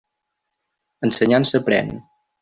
Ensenyant s'aprén.